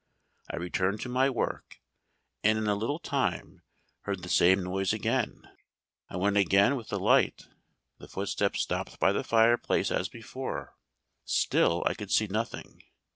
I returned to my work, and in a little time heard the same noise again. I went again with the light; the footsteps stopped by the fireplace as before; still I could see nothing.